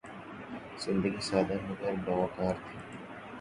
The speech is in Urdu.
زندگی سادہ مگر باوقار تھی